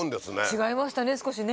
違いましたね少しね。